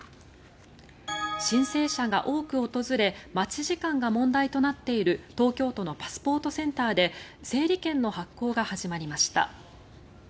申請者が多く訪れ待ち時間が問題となっている東京都のパスポートセンターで整理券の発行が始まりました。